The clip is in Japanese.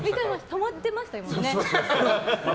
止まってましたもんね。